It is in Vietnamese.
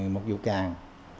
một vụ càng